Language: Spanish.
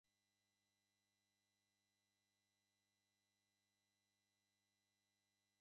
Holanda se encuentra en el oeste de los Países Bajos.